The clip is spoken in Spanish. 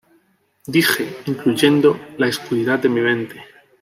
Dije, incluyendo la oscuridad de mi mente.